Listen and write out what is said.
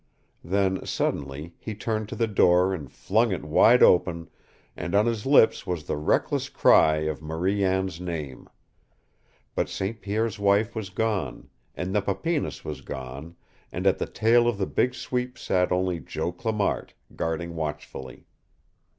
Then suddenly, he turned to the door and flung it wide open, and on his lips was the reckless cry of Marie Anne's name. But St. Pierre's wife was gone, and Nepapinas was gone, and at the tail of the big sweep sat only Joe Clamart, guarding watchfully.